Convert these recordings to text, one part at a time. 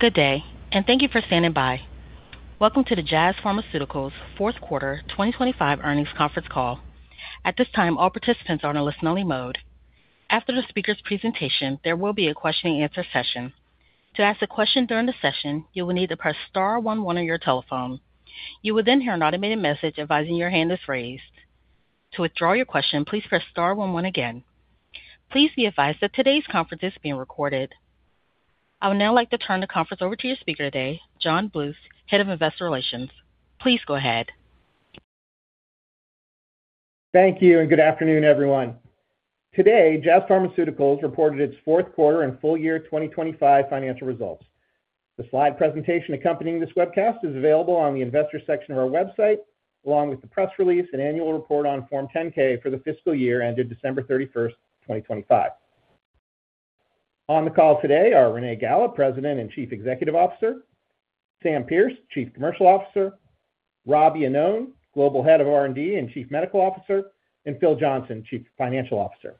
Good day, and thank you for standing by. Welcome to the Jazz Pharmaceuticals Fourth Quarter 2025 Earnings Conference Call. At this time, all participants are on a listen-only mode. After the speaker's presentation, there will be a question-and-answer session. To ask a question during the session, you will need to press star one one on your telephone. You will then hear an automated message advising your hand is raised. To withdraw your question, please press star one one again. Please be advised that today's conference is being recorded. I would now like to turn the conference over to your speaker today, John Bluth, Head of Investor Relations. Please go ahead. Thank you, and good afternoon, everyone. Today, Jazz Pharmaceuticals reported its fourth quarter and full year 2025 financial results. The slide presentation accompanying this webcast is available on the investor section of our website, along with the press release and annual report on Form 10-K for the fiscal year ended December 31st, 2025. On the call today are Renée Galá, President and Chief Executive Officer; Sam Pearce, Chief Commercial Officer; Rob Iannone, Global Head of R&D and Chief Medical Officer; and Phil Johnson, Chief Financial Officer.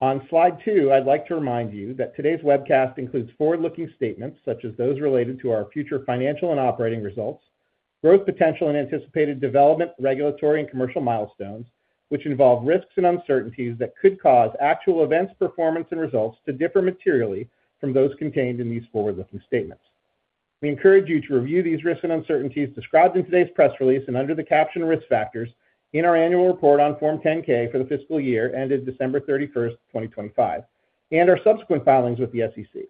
On slide two, I'd like to remind you that today's webcast includes forward-looking statements, such as those related to our future financial and operating results, growth potential, and anticipated development, regulatory and commercial milestones, which involve risks and uncertainties that could cause actual events, performance and results to differ materially from those contained in these forward-looking statements. We encourage you to review these risks and uncertainties described in today's press release and under the caption Risk Factors in our annual report on Form 10-K for the fiscal year ended December 31st, 2025, our subsequent filings with the SEC.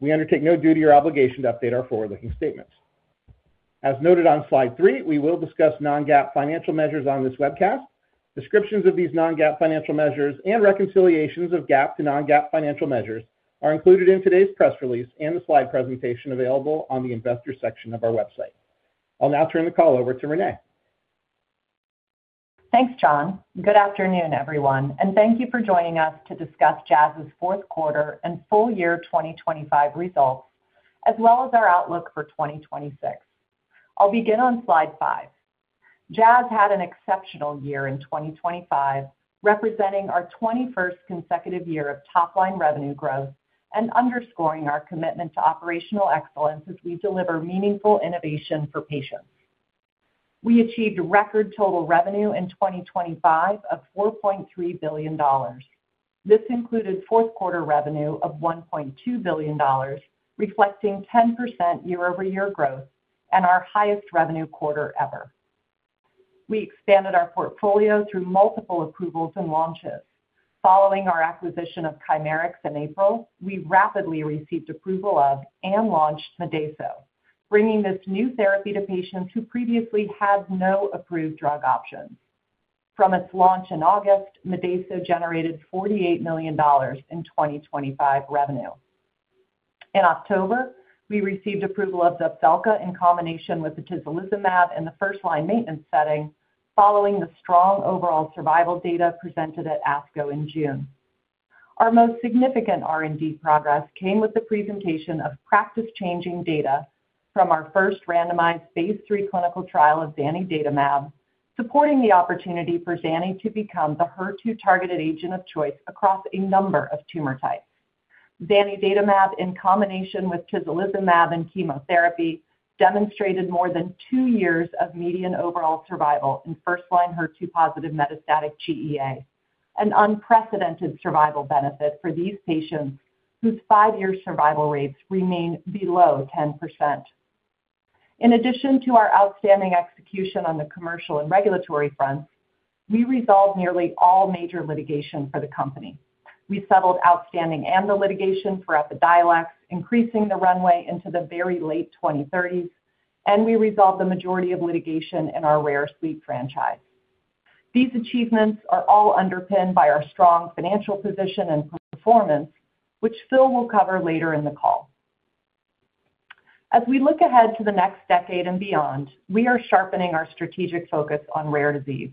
We undertake no duty or obligation to update our forward-looking statements. As noted on slide three, we will discuss non-GAAP financial measures on this webcast. Descriptions of these non-GAAP financial measures and reconciliations of GAAP to non-GAAP financial measures are included in today's press release and the slide presentation available on the investor section of our website. I'll now turn the call over to Renée. Thanks, John. Good afternoon, everyone, and thank you for joining us to discuss Jazz's fourth quarter and full year 2025 results, as well as our outlook for 2026. I'll begin on slide five. Jazz had an exceptional year in 2025, representing our 21st consecutive year of top-line revenue growth and underscoring our commitment to operational excellence as we deliver meaningful innovation for patients. We achieved record total revenue in 2025 of $4.3 billion. This included fourth quarter revenue of $1.2 billion, reflecting 10% year-over-year growth and our highest revenue quarter ever. We expanded our portfolio through multiple approvals and launches. Following our acquisition of Chimerix in April, we rapidly received approval of and launched Modeyso, bringing this new therapy to patients who previously had no approved drug options. From its launch in August, Modeyso generated $48 million in 2025 revenue. In October, we received approval of Zepzelca in combination with atezolizumab in the first-line maintenance setting, following the strong overall survival data presented at ASCO in June. Our most significant R&D progress came with the presentation of practice-changing data from our first randomized Phase III clinical trial of zanidatamab, supporting the opportunity for Zani to become the HER2-targeted agent of choice across a number of tumor types. Zanidatamab, in combination with atezolizumab and chemotherapy, demonstrated more than two years of median overall survival in first-line HER2-positive metastatic GEA, an unprecedented survival benefit for these patients whose five-year survival rates remain below 10%. In addition to our outstanding execution on the commercial and regulatory fronts, we resolved nearly all major litigation for the company. We settled outstanding ANDA litigation for Epidiolex, increasing the runway into the very late 2030s. These achievements are all underpinned by our strong financial position and performance, which Phil will cover later in the call. As we look ahead to the next decade and beyond, we are sharpening our strategic focus on rare disease.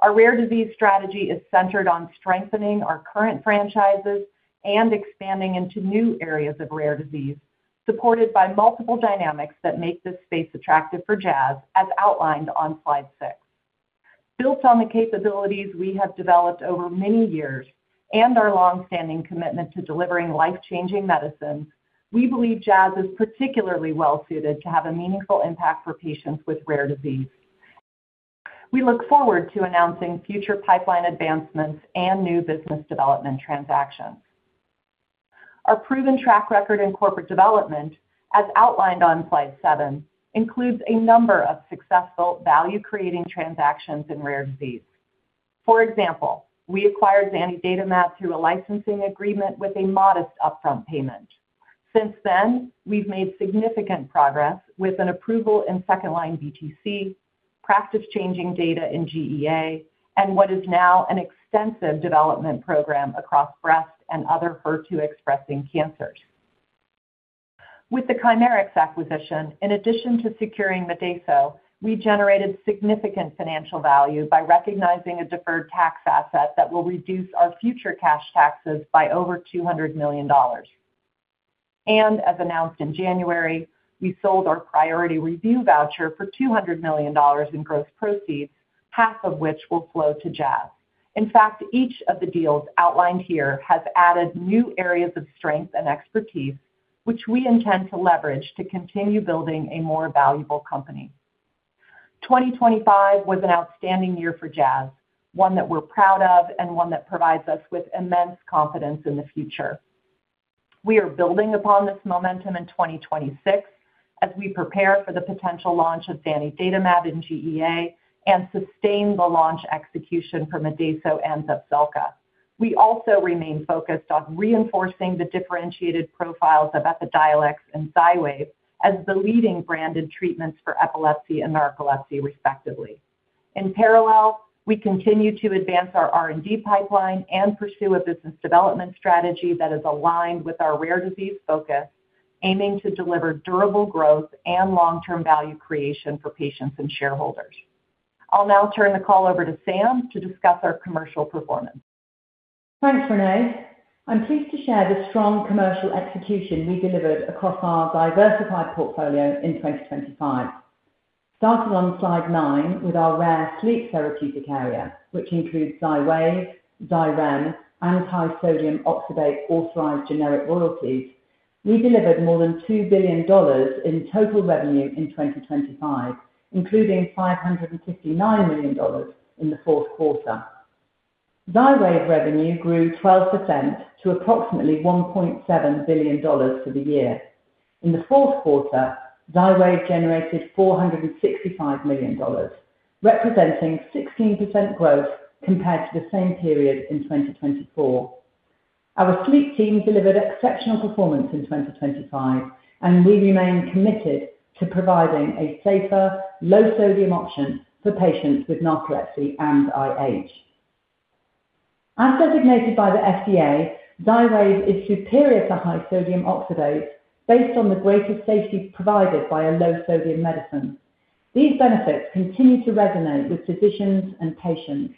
Our rare disease strategy is centered on strengthening our current franchises and expanding into new areas of rare disease, supported by multiple dynamics that make this space attractive for Jazz, as outlined on slide six. Built on the capabilities we have developed over many years and our long-standing commitment to delivering life-changing medicines, we believe Jazz is particularly well-suited to have a meaningful impact for patients with rare disease. We look forward to announcing future pipeline advancements and new business development transactions. Our proven track record in corporate development, as outlined on slide 7, includes a number of successful value-creating transactions in rare disease. For example, we acquired zanidatamab through a licensing agreement with a modest upfront payment. Since then, we've made significant progress with an approval in second-line BTC, practice-changing data in GEA, and what is now an extensive development program across breast and other HER2-expressing cancers. With the Chimerix acquisition, in addition to securing Modeyso, we generated significant financial value by recognizing a deferred tax asset that will reduce our future cash taxes by over $200 million. As announced in January, we sold our priority review voucher for $200 million in gross proceeds, half of which will flow to Jazz. In fact, each of the deals outlined here has added new areas of strength and expertise, which we intend to leverage to continue building a more valuable company. 2025 was an outstanding year for Jazz, one that we're proud of and one that provides us with immense confidence in the future. We are building upon this momentum in 2026 as we prepare for the potential launch of zanidatamab in GEA and sustain the launch execution for Modeyso and Zepzelca. We also remain focused on reinforcing the differentiated profiles of Epidiolex and XYWAV as the leading branded treatments for epilepsy and narcolepsy, respectively. In parallel, we continue to advance our R&D pipeline and pursue a business development strategy that is aligned with our rare disease focus, aiming to deliver durable growth and long-term value creation for patients and shareholders. I'll now turn the call over to Sam to discuss our commercial performance. Thanks, Renée. I'm pleased to share the strong commercial execution we delivered across our diversified portfolio in 2025. Starting on Slide 9, with our rare sleep therapeutic area, which includes XYWAV, Xyrem, and high-sodium oxybate authorized generic royalties. We delivered more than $2 billion in total revenue in 2025, including $559 million in the fourth quarter. XYWAV revenue grew 12% to approximately $1.7 billion for the year. In the fourth quarter, XYWAV generated $465 million, representing 16% growth compared to the same period in 2024. Our sleep team delivered exceptional performance in 2025, and we remain committed to providing a safer, low-sodium option for patients with narcolepsy and IH. As designated by the FDA, XYWAV is superior to high-sodium oxybate based on the greater safety provided by a low-sodium medicine. These benefits continue to resonate with physicians and patients,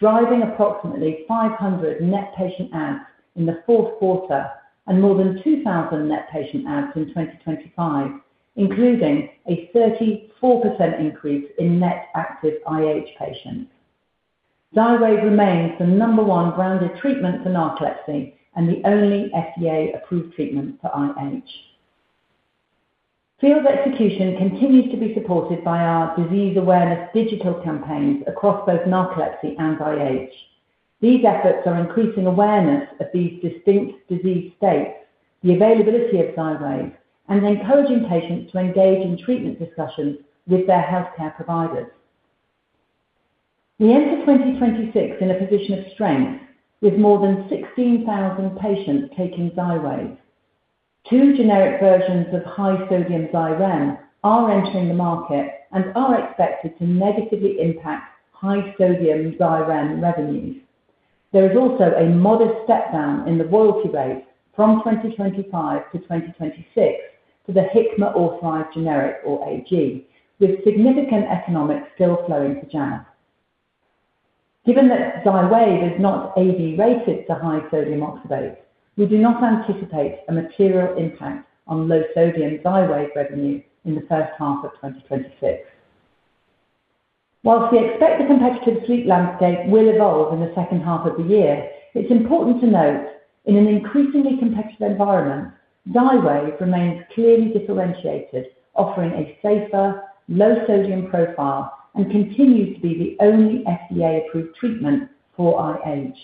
driving approximately 500 net patient adds in the fourth quarter and more than 2,000 net patient adds in 2025, including a 34% increase in net active IH patients. XYWAV remains the number one branded treatment for narcolepsy and the only FDA-approved treatment for IH. Field execution continues to be supported by our disease awareness digital campaigns across both narcolepsy and IH. These efforts are increasing awareness of these distinct disease states, the availability of XYWAV, and encouraging patients to engage in treatment discussions with their healthcare providers. We enter 2026 in a position of strength with more than 16,000 patients taking XYWAV. Two generic versions of high-sodium Xyrem are entering the market and are expected to negatively impact high-sodium Xyrem revenues. There is also a modest step down in the royalty rate from 2025 to 2026 for the Hikma Authorized Generic or AG, with significant economics still flowing to Jazz. Given that XYWAV is not AB-rated for high-sodium oxybate, we do not anticipate a material impact on low-sodium XYWAV revenue in the first half of 2026. Whilst we expect the competitive sleep landscape will evolve in the second half of the year, it's important to note, in an increasingly competitive environment, XYWAV remains clearly differentiated, offering a safer, low-sodium profile and continues to be the only FDA-approved treatment for IH.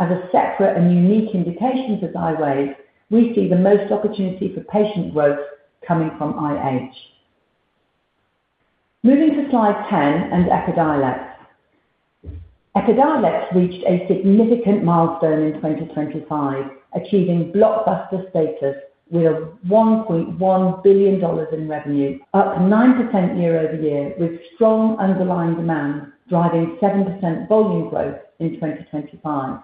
As a separate and unique indication for XYWAV, we see the most opportunity for patient growth coming from IH. Moving to Slide 10 and Epidiolex. Epidiolex reached a significant milestone in 2025, achieving blockbuster status with $1.1 billion in revenue, up 9% year-over-year, with strong underlying demand, driving 7% volume growth in 2025.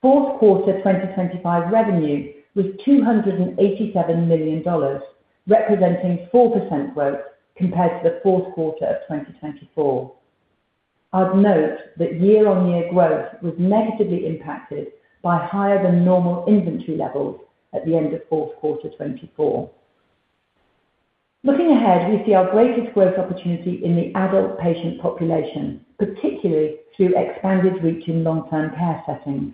Fourth quarter 2025 revenue was $287 million, representing 4% growth compared to the fourth quarter of 2024. I'd note that year-on-year growth was negatively impacted by higher than normal inventory levels at the end of fourth quarter 2024. Looking ahead, we see our greatest growth opportunity in the adult patient population, particularly through expanded reach in long-term care settings.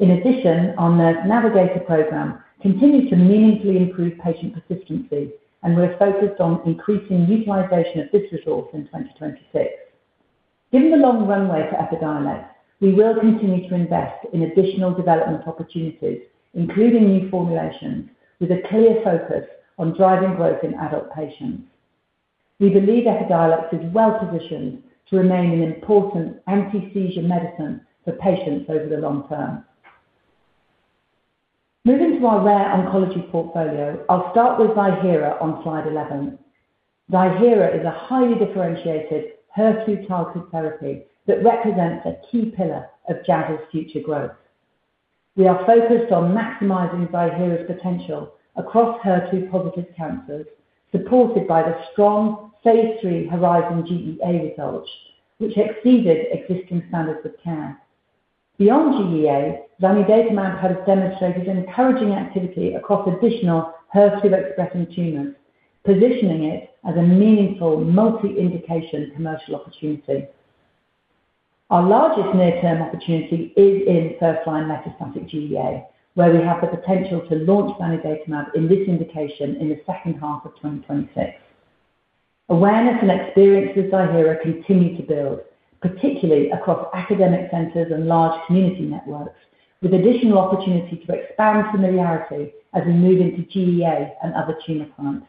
In addition, our Nurse Navigator program continues to meaningfully improve patient persistency, and we're focused on increasing utilization of this resource in 2026. Given the long runway to Epidiolex, we will continue to invest in additional development opportunities, including new formulations, with a clear focus on driving growth in adult patients. We believe Epidiolex is well positioned to remain an important anti-seizure medicine for patients over the long term. Moving to our rare oncology portfolio, I'll start with Ziihera on slide 11. Ziihera is a highly differentiated HER2 targeted therapy that represents a key pillar of Jazz's future growth. We are focused on maximizing Ziihera's potential across HER2-positive cancers, supported by the strong phase 3 HERIZON-GEA results, which exceeded existing standards of care. Beyond GEA, zanidatamab has demonstrated encouraging activity across additional HER2-expressing tumors, positioning it as a meaningful multi-indication commercial opportunity. Our largest near-term opportunity is in first-line metastatic GEA, where we have the potential to launch zanidatamab in this indication in the second half of 2026. Awareness and experience with Ziihera continue to build, particularly across academic centers and large community networks, with additional opportunity to expand familiarity as we move into GEA and other tumor types.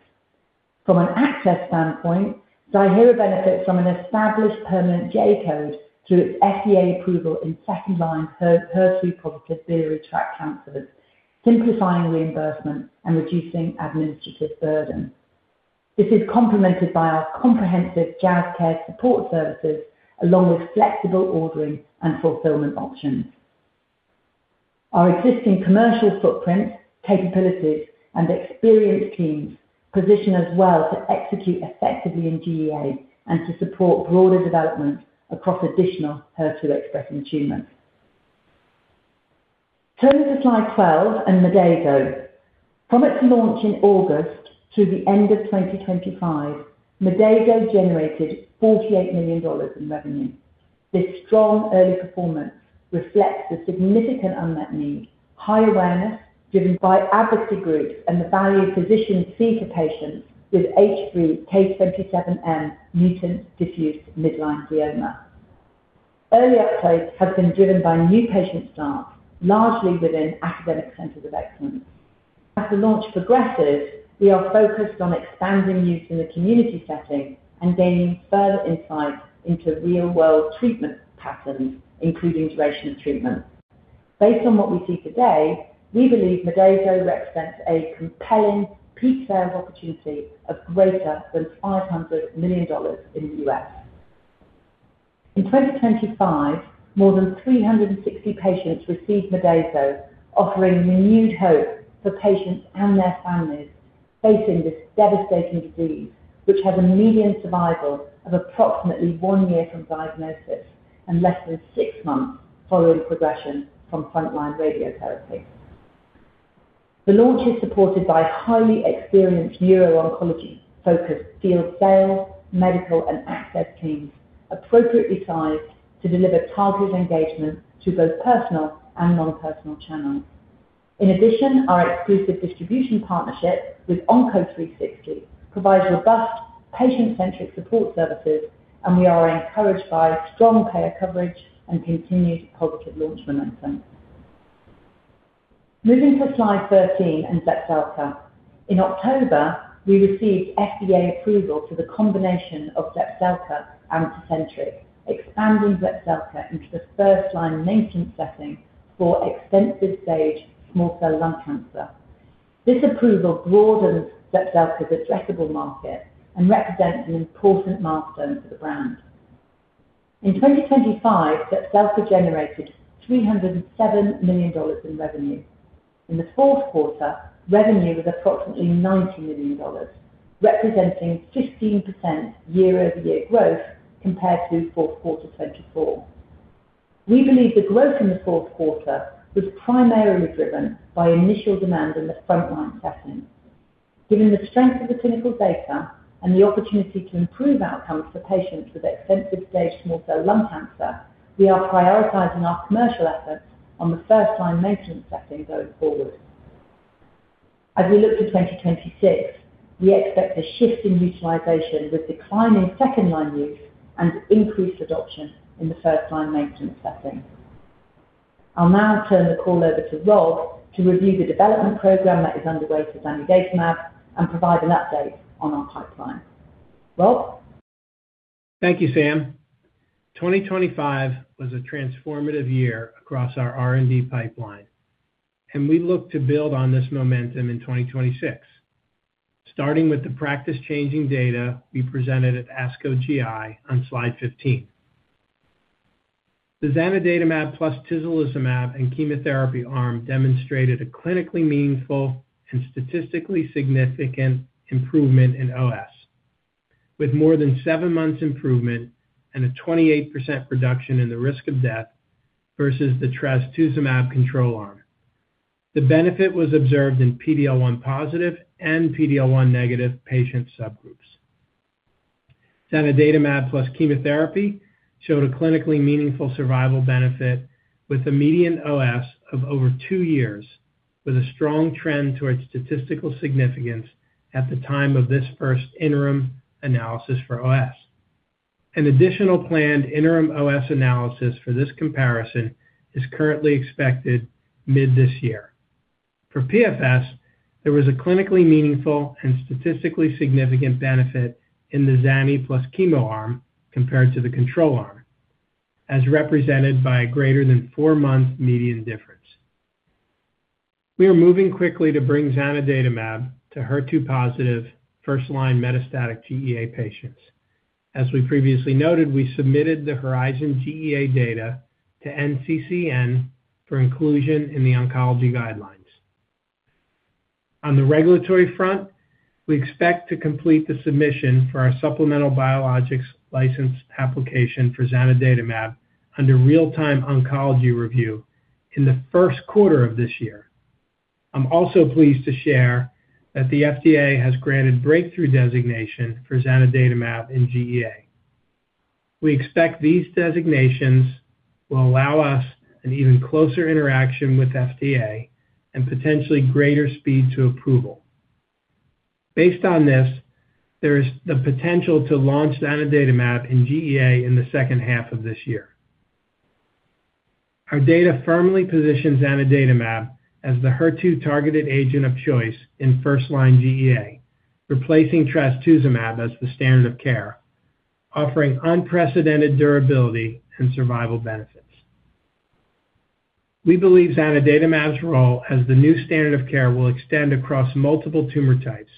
From an access standpoint, Ziihera benefits from an established permanent J-code through its FDA approval in second-line HER2-positive biliary tract cancers, simplifying reimbursement and reducing administrative burden. This is complemented by our comprehensive JazzCare support services, along with flexible ordering and fulfillment options. Our existing commercial footprint, capabilities, and experienced teams position us well to execute effectively in GEA and to support broader development across additional HER2-expressing tumors. Turning to slide 12 and Modeyso. From its launch in August to the end of 2025, Modeyso generated $48 million in revenue. This strong early performance reflects the significant unmet need, high awareness driven by advocacy groups, and the value physicians see to patients with H3K27M-mutant diffuse midline glioma. Early uptake has been driven by new patient starts, largely within academic centers of excellence. As the launch progresses, we are focused on expanding use in the community setting and gaining further insight into real-world treatment patterns, including duration of treatment. Based on what we see today, we believe Modeyso represents a compelling peak sales opportunity of greater than $500 million in the U.S. In 2025, more than 360 patients received Modeyso, offering renewed hope for patients and their families facing this devastating disease, which has a median survival of approximately one year from diagnosis and less than six months following progression from frontline radiotherapy. The launch is supported by highly experienced neuro-oncology-focused field sales, medical, and access teams, appropriately sized to deliver targeted engagement to both personal and non-personal channels. Our exclusive distribution partnership with Onco360 provides robust, patient-centric support services, and we are encouraged by strong payer coverage and continued positive launch momentum. Moving to slide 13 and Zepzelca. In October, we received FDA approval for the combination of Zepzelca and Tecentriq, expanding Zepzelca into the first-line maintenance setting for extensive-stage small cell lung cancer. This approval broadens Zepzelca's addressable market and represents an important milestone for the brand. In 2025, Zepzelca generated $307 million in revenue. In the fourth quarter, revenue was approximately $90 million, representing 15% year-over-year growth compared to fourth quarter 2024. We believe the growth in the fourth quarter was primarily driven by initial demand in the frontline setting. Given the strength of the clinical data and the opportunity to improve outcomes for patients with extensive-stage small cell lung cancer, we are prioritizing our commercial efforts on the first-line maintenance setting going forward. As we look to 2026, we expect a shift in utilization, with declining second-line use and increased adoption in the first-line maintenance setting. I'll now turn the call over to Rob to review the development program that is underway for zanidatamab and provide an update on our pipeline. Rob? Thank you, Sam. 2025 was a transformative year across our R&D pipeline, and we look to build on this momentum in 2026, starting with the practice-changing data we presented at ASCO GI on slide 15. The zanidatamab plus tislelizumab and chemotherapy arm demonstrated a clinically meaningful and statistically significant improvement in OS, with more than seven months improvement and a 28% reduction in the risk of death versus the trastuzumab control arm. The benefit was observed in PD-L1 positive and PD-L1 negative patient subgroups. Zanidatamab plus chemotherapy showed a clinically meaningful survival benefit with a median OS of over two years, with a strong trend towards statistical significance at the time of this first interim analysis for OS. An additional planned interim OS analysis for this comparison is currently expected mid-this year. For PFS, there was a clinically meaningful and statistically significant benefit in the zani plus chemo arm compared to the control arm, as represented by a greater than four-month median difference. We are moving quickly to bring zanidatamab to HER2-positive first-line metastatic GEA patients. As we previously noted, we submitted the HORIZON-GEA data to NCCN for inclusion in the oncology guidelines. On the regulatory front, we expect to complete the submission for our supplemental Biologics License Application for zanidatamab under Real-Time Oncology Review in the first quarter of this year. I'm also pleased to share that the FDA has granted Breakthrough Designation for zanidatamab in GEA. We expect these designations will allow us an even closer interaction with FDA and potentially greater speed to approval. Based on this, there is the potential to launch zanidatamab in GEA in the second half of this year. Our data firmly positions zanidatamab as the HER2-targeted agent of choice in first-line GEA, replacing trastuzumab as the standard of care, offering unprecedented durability and survival benefits. We believe zanidatamab's role as the new standard of care will extend across multiple tumor types,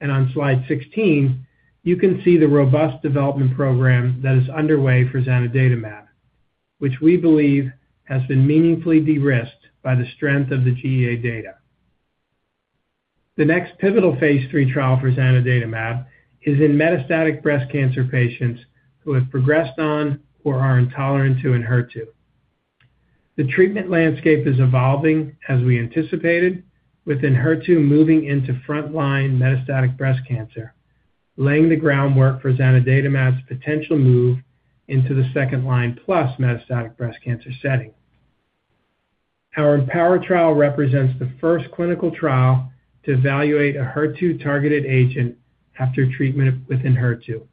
and on Slide 16, you can see the robust development program that is underway for zanidatamab, which we believe has been meaningfully de-risked by the strength of the GEA data. The next pivotal phase III trial for zanidatamab is in metastatic breast cancer patients who have progressed on or are intolerant to Enhertu. The treatment landscape is evolving as we anticipated, with Enhertu moving into front-line metastatic breast cancer, laying the groundwork for zanidatamab's potential move into the second-line plus metastatic breast cancer setting. Our EMPOWER trial represents the first clinical trial to evaluate a HER2-targeted agent after treatment with Enhertu.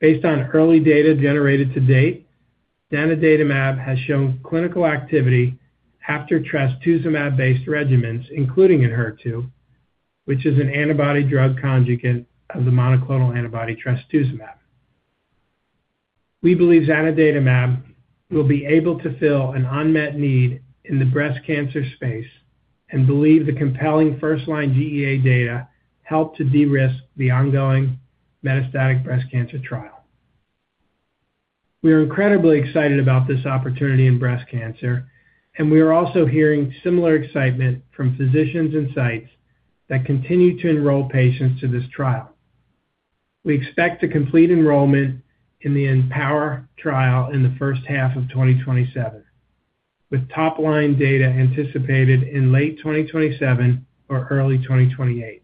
Based on early data generated to date, zanidatamab has shown clinical activity after trastuzumab-based regimens, including Enhertu, which is an antibody-drug conjugate of the monoclonal antibody trastuzumab. We believe zanidatamab will be able to fill an unmet need in the breast cancer space and believe the compelling first-line GEA data helped to de-risk the ongoing metastatic breast cancer trial. We are incredibly excited about this opportunity in breast cancer, we are also hearing similar excitement from physicians and sites that continue to enroll patients to this trial. We expect to complete enrollment in the EMPOWER trial in the first half of 2027, with top-line data anticipated in late 2027 or early 2028.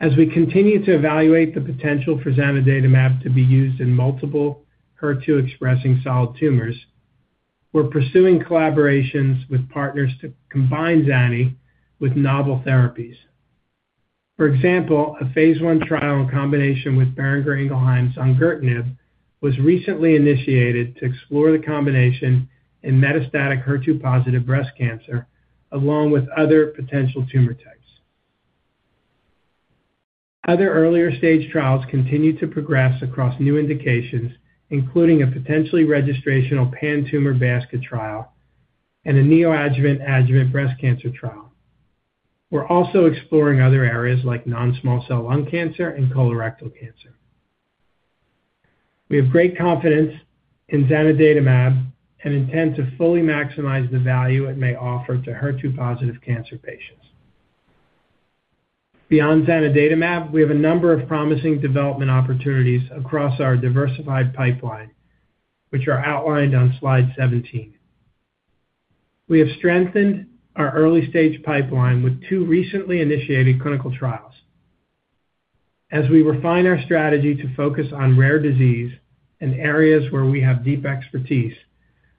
As we continue to evaluate the potential for zanidatamab to be used in multiple HER2-expressing solid tumors, we're pursuing collaborations with partners to combine zani with novel therapies. For example, a phase I trial in combination with Boehringer Ingelheim's Ongertnib was recently initiated to explore the combination in metastatic HER2-positive breast cancer, along with other potential tumor types. Other earlier-stage trials continue to progress across new indications, including a potentially registrational pan-tumor basket trial and a neoadjuvant, adjuvant breast cancer trial. We're also exploring other areas like non-small cell lung cancer and colorectal cancer. We have great confidence in zanidatamab and intend to fully maximize the value it may offer to HER2-positive cancer patients. Beyond zanidatamab, we have a number of promising development opportunities across our diversified pipeline, which are outlined on Slide 17. We have strengthened our early-stage pipeline with two recently initiated clinical trials. As we refine our strategy to focus on rare disease in areas where we have deep expertise,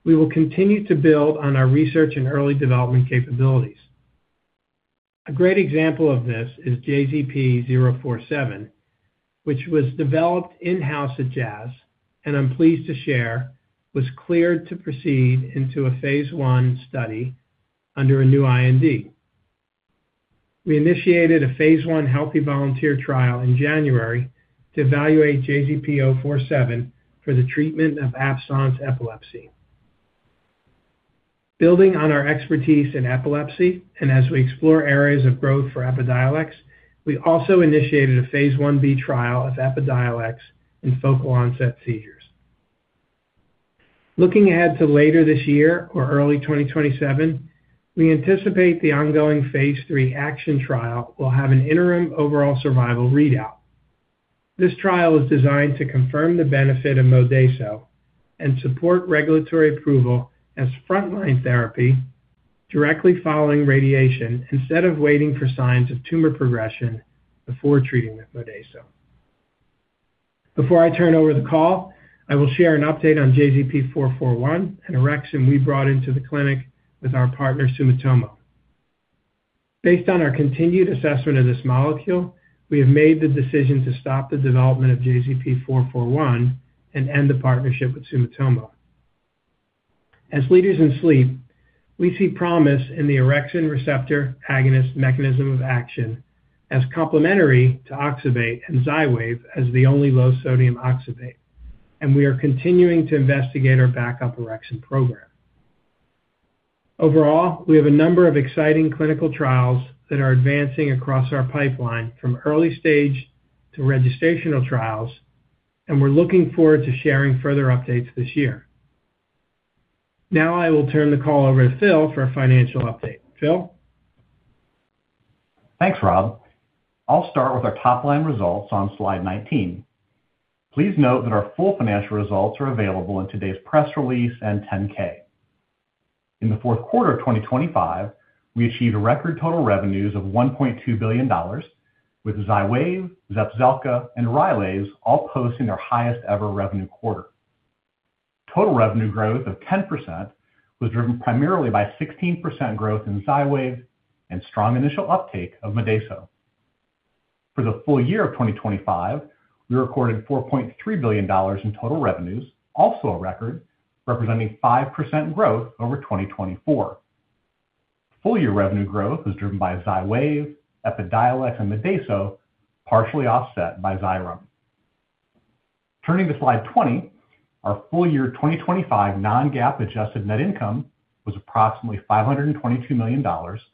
we will continue to build on our research and early development capabilities. A great example of this is JZP-047, which was developed in-house at Jazz, and I'm pleased to share, was cleared to proceed into a Phase I study under a new IND. We initiated a Phase I healthy volunteer trial in January to evaluate JZP-047 for the treatment of absence epilepsy. Building on our expertise in epilepsy, and as we explore areas of growth for Epidiolex, we also initiated a Phase I-B trial of Epidiolex in focal onset seizures. Looking ahead to later this year or early 2027, we anticipate the ongoing Phase III ACTION trial will have an interim overall survival readout. This trial is designed to confirm the benefit of Modeyso and support regulatory approval as front-line therapy directly following radiation, instead of waiting for signs of tumor progression before treating with Modeyso. Before I turn over the call, I will share an update on JZP441, an orexin we brought into the clinic with our partner, Sumitomo. Based on our continued assessment of this molecule, we have made the decision to stop the development of JZP441 and end the partnership with Sumitomo. As leaders in sleep, we see promise in the orexin receptor agonist mechanism of action as complementary to oxybate and XYWAV as the only low-sodium oxybate, and we are continuing to investigate our backup orexin program. Overall, we have a number of exciting clinical trials that are advancing across our pipeline, from early stage to registrational trials, and we're looking forward to sharing further updates this year. Now I will turn the call over to Phil for a financial update. Phil? Thanks, Rob. I'll start with our top-line results on slide 19. Please note that our full financial results are available in today's press release and 10-K. In the fourth quarter of 2025, we achieved record total revenues of $1.2 billion, with XYWAV, Zepzelca, and Rylaze all posting their highest-ever revenue quarter. Total revenue growth of 10% was driven primarily by 16% growth in XYWAV and strong initial uptake of Modeyso. For the full year of 2025, we recorded $4.3 billion in total revenues, also a record, representing 5% growth over 2024. Full-year revenue growth was driven by XYWAV, Epidiolex, and Modeyso, partially offset by Xyrem. Turning to slide 20, our full year 2025 non-GAAP adjusted net income was approximately $522 million, and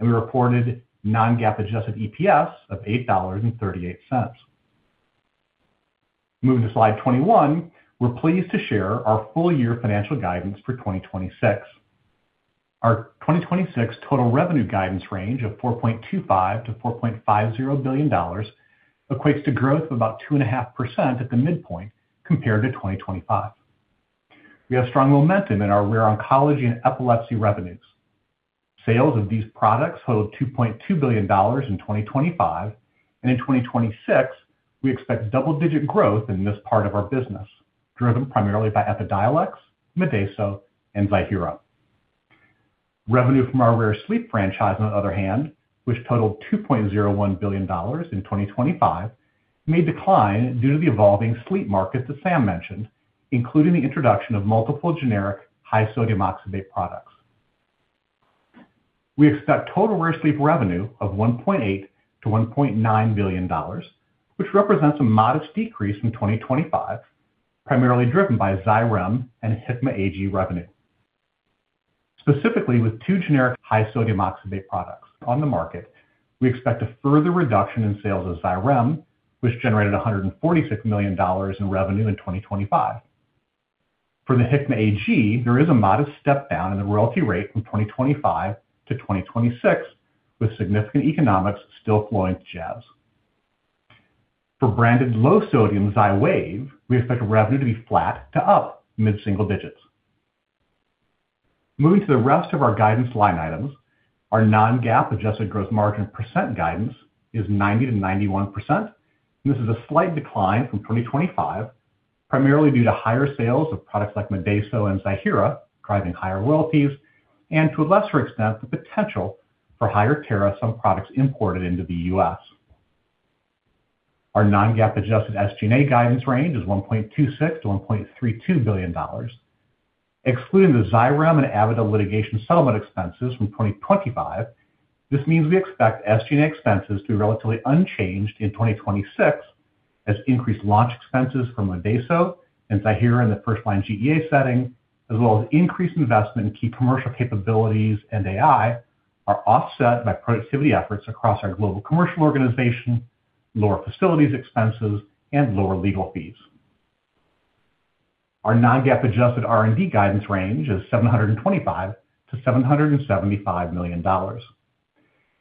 we reported non-GAAP adjusted EPS of $8.38. Moving to slide 21, we're pleased to share our full-year financial guidance for 2026. Our 2026 total revenue guidance range of $4.25 billion-$4.50 billion equates to growth of about 2.5% at the midpoint compared to 2025. We have strong momentum in our rare oncology and epilepsy revenues. Sales of these products totaled $2.2 billion in 2025, and in 2026, we expect double-digit growth in this part of our business, driven primarily by Epidiolex, Modeyso, and Ziihera. Revenue from our rare sleep franchise, on the other hand, which totaled $2.01 billion in 2025, may decline due to the evolving sleep market that Sam mentioned, including the introduction of multiple generic high-sodium oxybate products. We expect total rare sleep revenue of $1.8 billion-$1.9 billion, which represents a modest decrease from 2025, primarily driven by Xyrem and Hikma Pharmaceuticals revenue. Specifically, with two generic high-sodium oxybate products on the market, we expect a further reduction in sales of Xyrem, which generated $146 million in revenue in 2025. For the Hikma Pharmaceuticals, there is a modest step down in the royalty rate from 2025 to 2026, with significant economics still flowing to Jazz. For branded low-sodium XYWAV, we expect revenue to be flat to up mid-single digits. Moving to the rest of our guidance line items, our non-GAAP adjusted gross margin % guidance is 90%-91%. This is a slight decline from 2025, primarily due to higher sales of products like Modeyso and Ziihera, driving higher royalties, and to a lesser extent, the potential for higher tariffs on products imported into the U.S. Our non-GAAP adjusted SG&A guidance range is $1.26 billion-$1.32 billion. Excluding the Xyrem and Avadel litigation settlement expenses from 2025, this means we expect SG&A expenses to be relatively unchanged in 2026, as increased launch expenses from Modeyso and Ziihera in the first-line GEA setting, as well as increased investment in key commercial capabilities and AI, are offset by productivity efforts across our global commercial organization, lower facilities expenses, and lower legal fees. Our non-GAAP adjusted R&D guidance range is $725 million-$775 million.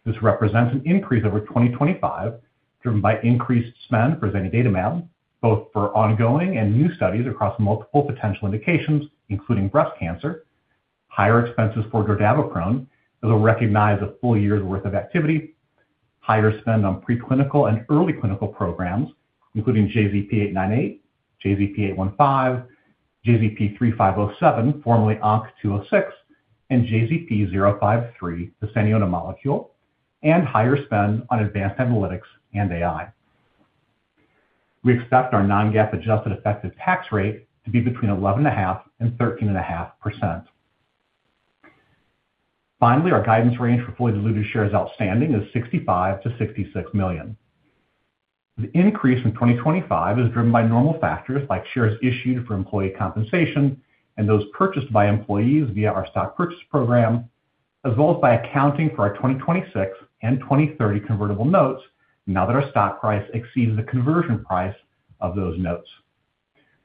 This represents an increase over 2025, driven by increased spend for zanidatamab, both for ongoing and new studies across multiple potential indications, including breast cancer, higher expenses for dordaviprone, as we'll recognize a full year's worth of activity, higher spend on preclinical and early clinical programs, including JZP898, JZP815, JZP3507, formerly ONC206, and JZP385, the suvecaltamide molecule, and higher spend on advanced analytics and AI. We expect our non-GAAP adjusted effective tax rate to be between 11.5% and 13.5%. Finally, our guidance range for fully diluted shares outstanding is 65 million-66 million. The increase from 2025 is driven by normal factors like shares issued for employee compensation and those purchased by employees via our stock purchase program, as well as by accounting for our 2026 and 2030 convertible notes now that our stock price exceeds the conversion price of those notes.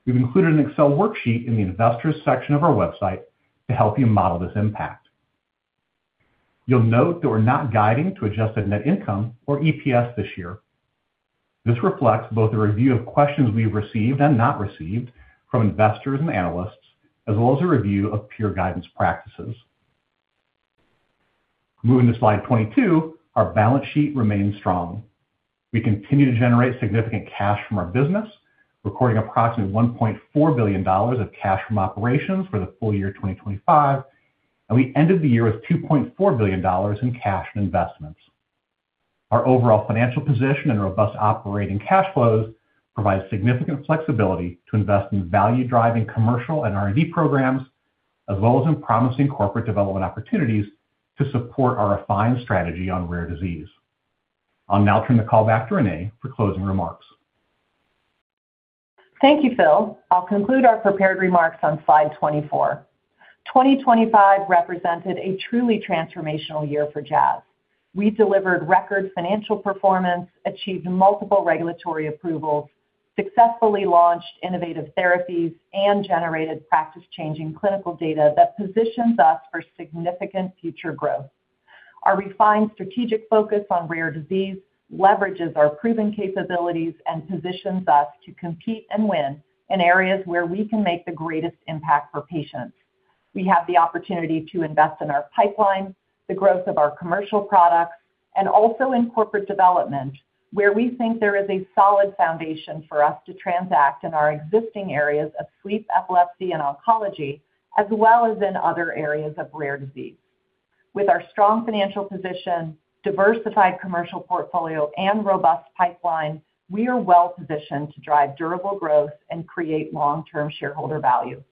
We've included an Excel worksheet in the investors section of our website to help you model this impact. You'll note that we're not guiding to adjusted net income or EPS this year. This reflects both a review of questions we've received and not received from investors and analysts, as well as a review of peer guidance practices. Moving to slide 22, our balance sheet remains strong. We continue to generate significant cash from our business, recording approximately $1.4 billion of cash from operations for the full year 2025, and we ended the year with $2.4 billion in cash and investments. Our overall financial position and robust operating cash flows provide significant flexibility to invest in value-driving commercial and R&D programs, as well as in promising corporate development opportunities to support our refined strategy on rare disease. I'll now turn the call back to Renée for closing remarks. Thank you, Phil. I'll conclude our prepared remarks on slide 24. 2025 represented a truly transformational year for Jazz. We delivered record financial performance, achieved multiple regulatory approvals, successfully launched innovative therapies and generated practice-changing clinical data that positions us for significant future growth. Our refined strategic focus on rare disease leverages our proven capabilities and positions us to compete and win in areas where we can make the greatest impact for patients. We have the opportunity to invest in our pipeline, the growth of our commercial products, and also in corporate development, where we think there is a solid foundation for us to transact in our existing areas of sleep, epilepsy, and oncology, as well as in other areas of rare disease. With our strong financial position, diversified commercial portfolio, and robust pipeline, we are well-positioned to drive durable growth and create long-term shareholder value.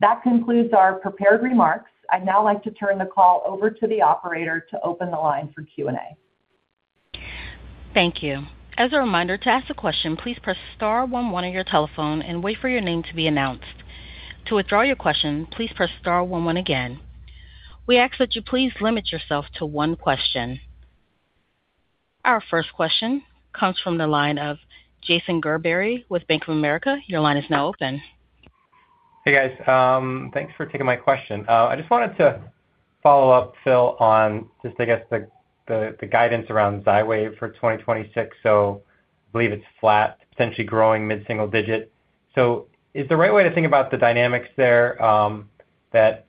That concludes our prepared remarks. I'd now like to turn the call over to the operator to open the line for Q&A. Thank you. As a reminder, to ask a question, please press star one one on your telephone and wait for your name to be announced. To withdraw your question, please press star one one again. We ask that you please limit yourself to one question. Our first question comes from the line of Jason Gerberry with Bank of America. Your line is now open. Hey, guys. Thanks for taking my question. I just wanted to follow up, Phil, on the guidance around XYWAV for 2026. I believe it's flat, potentially growing mid-single digit. Is the right way to think about the dynamics there, that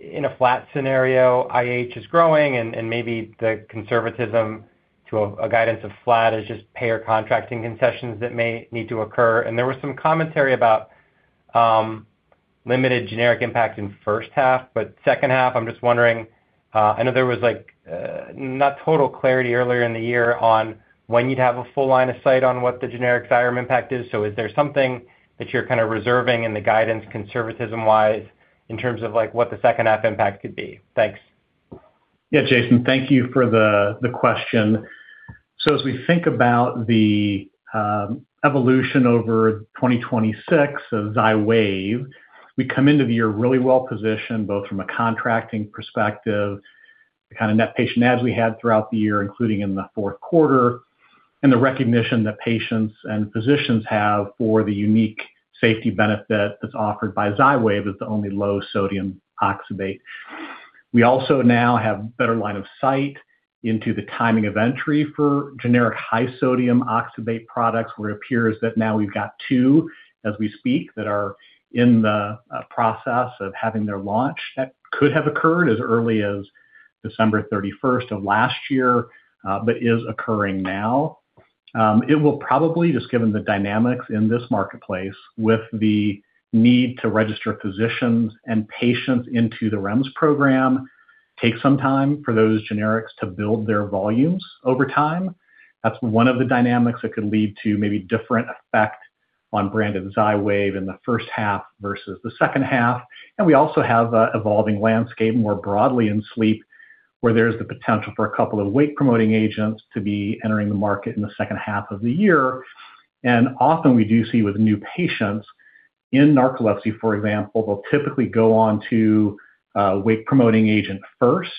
in a flat scenario, IH is growing and maybe the conservatism to a guidance of flat is just payer contracting concessions that may need to occur? There was some commentary about limited generic impact in first half, but second half, I'm just wondering, I know there was not total clarity earlier in the year on when you'd have a full line of sight on what the generic Xyrem impact is. Is there something that you're kind of reserving in the guidance, conservatism-wise, in terms of, like, what the second-half impact could be? Thanks. Yeah, Jason, thank you for the question. As we think about the evolution over 2026 of XYWAV, we come into the year really well-positioned, both from a contracting perspective, the kind of net patient ads we had throughout the year, including in the fourth quarter, and the recognition that patients and physicians have for the unique safety benefit that's offered by XYWAV as the only low-sodium oxybate. We also now have better line of sight into the timing of entry for generic high-sodium oxybate products, where it appears that now we've got two, as we speak, that are in the process of having their launch. That could have occurred as early as December 31st of last year, but is occurring now. It will probably, just given the dynamics in this marketplace, with the need to register physicians and patients into the REMS program, take some time for those generics to build their volumes over time. That's one of the dynamics that could lead to maybe different effect on brand of XYWAV in the first half versus the second half. We also have a evolving landscape, more broadly in sleep, where there's the potential for a couple of wake-promoting agents to be entering the market in the second half of the year. Often we do see with new patients in narcolepsy, for example, they'll typically go on to a wake-promoting agent first.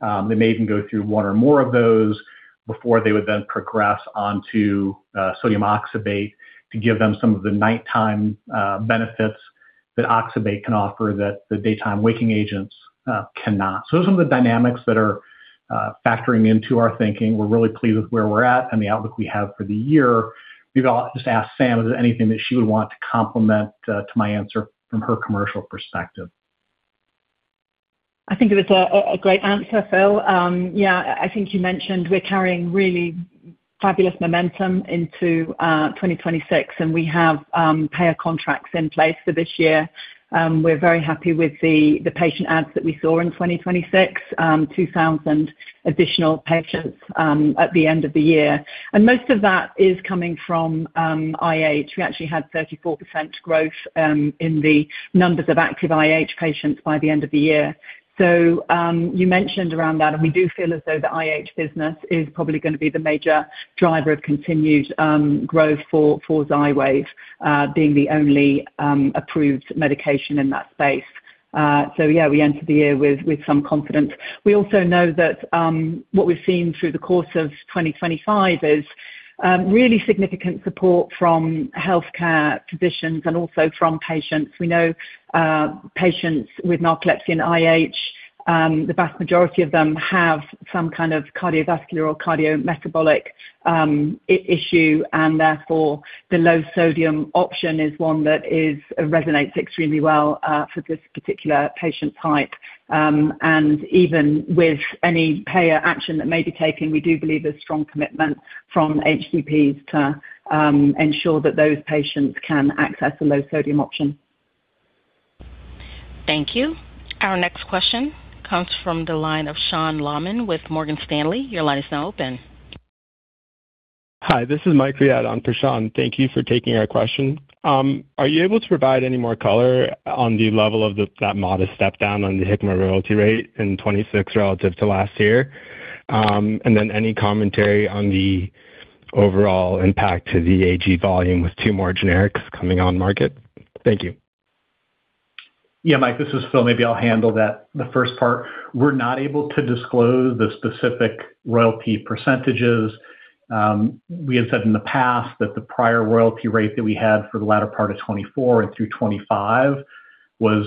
They may even go through one or more of those before they would then progress onto sodium oxybate to give them some of the nighttime benefits that oxybate can offer that the daytime waking agents cannot. Those are some of the dynamics that are factoring into our thinking. We're really pleased with where we're at and the outlook we have for the year. Maybe I'll just ask Sam if there's anything that she would want to complement to my answer from her commercial perspective. I think it was a great answer, Phil. Yeah, I think you mentioned we're carrying really fabulous momentum into 2026, and we have payer contracts in place for this year. We're very happy with the patient adds that we saw in 2026, 2,000 additional patients at the end of the year. Most of that is coming from IH. We actually had 34% growth in the numbers of active IH patients by the end of the year. You mentioned around that, and we do feel as though the IH business is probably gonna be the major driver of continued growth for XYWAV, being the only approved medication in that space. Yeah, we enter the year with some confidence. We also know that, what we've seen through the course of 2025 is really significant support from healthcare physicians and also from patients. We know patients with narcolepsy and IH, the vast majority of them have some kind of cardiovascular or cardiometabolic issue, and therefore, the low-sodium option is one that resonates extremely well for this particular patient type. Even with any payer action that may be taking, we do believe there's strong commitment from HCPs to ensure that those patients can access the low-sodium option. Thank you. Our next question comes from the line of Sean Laaman with Morgan Stanley. Your line is now open. Hi, this is Michael Riad on for Sean. Thank you for taking our question. Are you able to provide any more color on the level of the, that modest step down on the Hikma royalty rate in 26 relative to last year? Any commentary on the overall impact to the AG volume with two more generics coming on market? Thank you. Yeah, Michael Riad, this is Philip L. Johnson. Maybe I'll handle that. The first part, we're not able to disclose the specific royalty percentages. We have said in the past that the prior royalty rate that we had for the latter part of 2024 and through 2025 was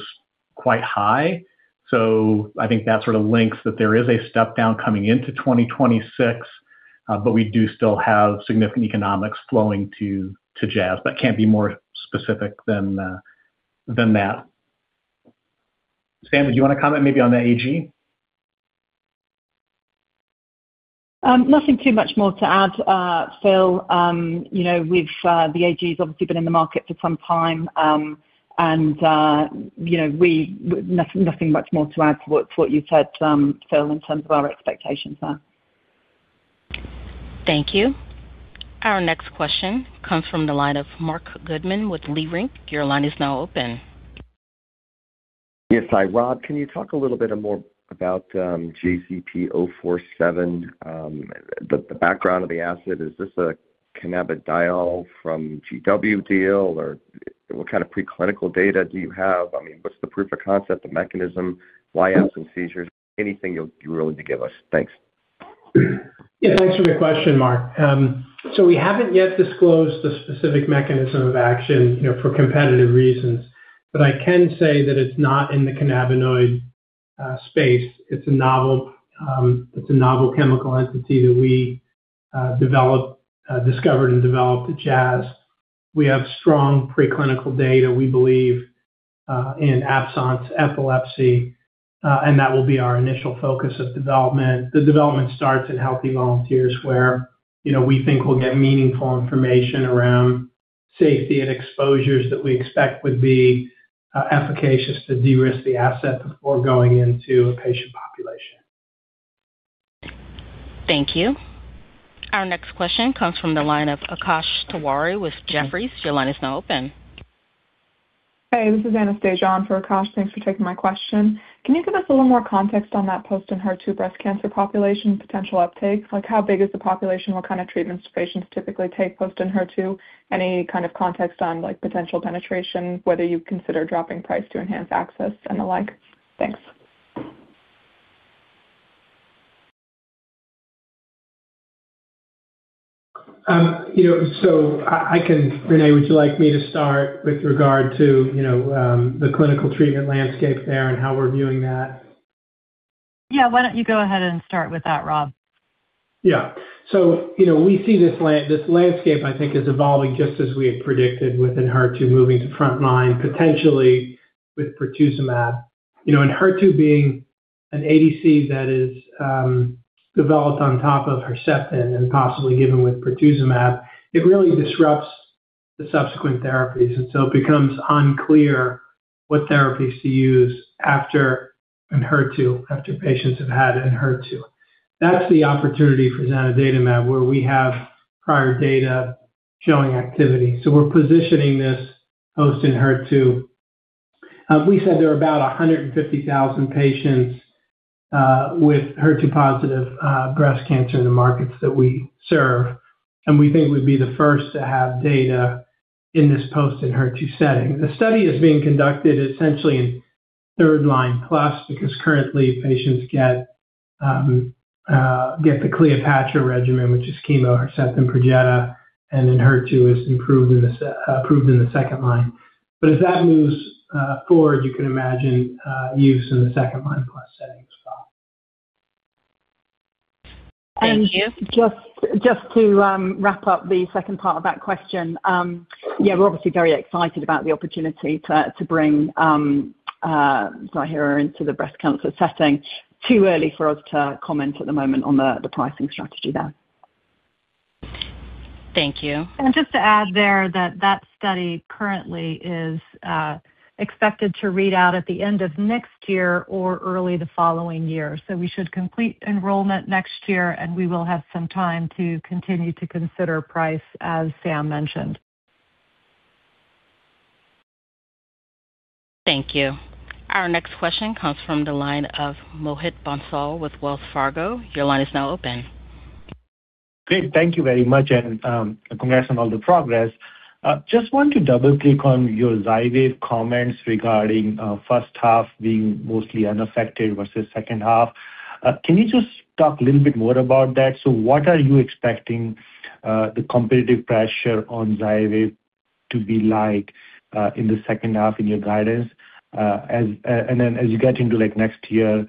quite high. I think that sort of links that there is a step down coming into 2026, but we do still have significant economics flowing to Jazz Pharmaceuticals plc, but can't be more specific than that. Samantha Pearce, did you want to comment maybe on the AG? Nothing too much more to add, Phil. You know, with the AG's obviously been in the market for some time. You know, nothing much more to add to what you said, Phil, in terms of our expectations there. Thank you. Our next question comes from the line of Marc Goodman with Leerink. Your line is now open. Yes. Hi, Rob, can you talk a little bit more about JZP047, the background of the asset? Is this a cannabidiol from GW deal, or what kind of preclinical data do you have? I mean, what's the proof of concept, the mechanism, why absence seizures? Anything you're willing to give us. Thanks. Yeah, thanks for your question, Marc. We haven't yet disclosed the specific mechanism of action, you know, for competitive reasons, but I can say that it's not in the cannabinoid space. It's a novel chemical entity that we developed, discovered and developed at Jazz. We have strong preclinical data, we believe, in absence epilepsy, and that will be our initial focus of development. The development starts in healthy volunteers where, you know, we think we'll get meaningful information around safety and exposures that we expect would be efficacious to de-risk the asset before going into a patient population. Thank you. Our next question comes from the line of Akash Tewari with Jefferies. Your line is now open. Hey, this is Anastasia in for Akash. Thanks for taking my question. Can you give us a little more context on that post in HER2 breast cancer population, potential uptake? Like, how big is the population? What kind of treatments do patients typically take post in HER2? Any kind of context on, like, potential penetration, whether you consider dropping price to enhance access and the like? Thanks. You know, Renée, would you like me to start with regard to, you know, the clinical treatment landscape there and how we're viewing that? Yeah, why don't you go ahead and start with that, Rob? You know, we see this landscape, I think, is evolving just as we had predicted within HER2, moving to frontline, potentially with pertuzumab. HER2 being an ADC that is developed on top of Herceptin and possibly even with pertuzumab, it really disrupts the subsequent therapies, it becomes unclear what therapies to use after in HER2, after patients have had it in HER2. That's the opportunity for zanidatamab, where we have prior data showing activity. We're positioning this post in HER2. We said there are about 150,000 patients with HER2 positive breast cancer in the markets that we serve, and we think we'd be the first to have data in this post in HER2 setting. The study is being conducted essentially in third line plus, because currently patients get the CLEOPATRA regimen, which is chemo, Herceptin, Perjeta, and then HER2 is approved in the second line. As that moves forward, you can imagine use in the second line plus settings as well. Thank you. Just to wrap up the second part of that question. Yeah, we're obviously very excited about the opportunity to bring Ziihera into the breast cancer setting. Too early for us to comment at the moment on the pricing strategy there. Thank you. Just to add there that that study currently is expected to read out at the end of next year or early the following year. We should complete enrollment next year, and we will have some time to continue to consider price, as Sam mentioned. Thank you. Our next question comes from the line of Mohit Bansal with Wells Fargo. Your line is now open. Great. Thank you very much, and congrats on all the progress. Just want to double-click on your XYWAV comments regarding first half being mostly unaffected versus second half. Can you just talk a little bit more about that? What are you expecting the competitive pressure on XYWAV to be like in the second half in your guidance? Then as you get into, like, next year,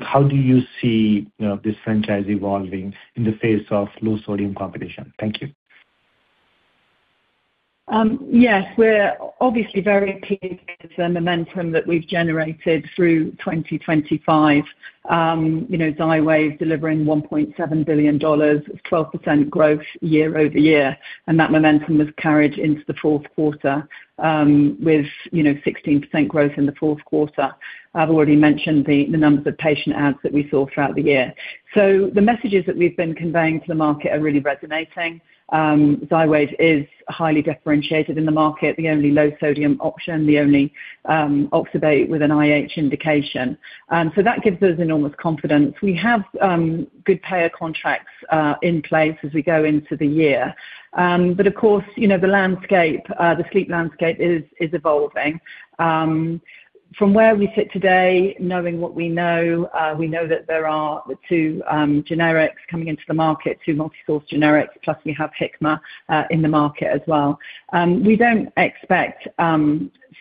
how do you see, you know, this franchise evolving in the face of low sodium competition? Thank you. Yes, we're obviously very pleased with the momentum that we've generated through 2025. You know, XYWAV delivering $1.7 billion, 12% growth year-over-year, and that momentum was carried into the fourth quarter, with, you know, 16% growth in the fourth quarter. I've already mentioned the numbers of patient adds that we saw throughout the year. The messages that we've been conveying to the market are really resonating. XYWAV is highly differentiated in the market, the only low-sodium option, the only oxybate with an IH indication. That gives us enormous confidence. We have good payer contracts in place as we go into the year. Of course, you know, the landscape, the sleep landscape is evolving. From where we sit today, knowing what we know, we know that there are the two generics coming into the market, two multi-source generics, plus we have Hikma in the market as well. We don't expect